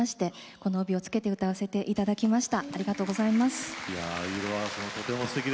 この帯を着けて歌わせていただきました。